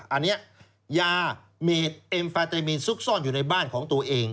อันนี้ยาเมดเอ็มฟาเตมีนซุกซ่อนอยู่ในบ้านของตัวเอง